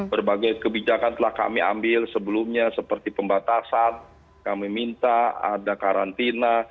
berbagai kebijakan telah kami ambil sebelumnya seperti pembatasan kami minta ada karantina